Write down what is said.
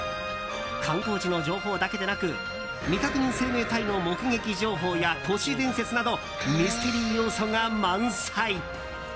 観光地の情報だけでなく未確認生命体の目撃情報や都市伝説などミステリー要素が満載。